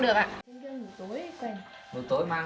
so với các cô giáo mầm non